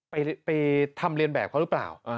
ไปทำเรียนแบบเขาหรือเปล่า